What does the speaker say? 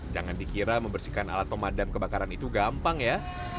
jangan dikira membersihkan alat pemadam kebakaran itu gampang ya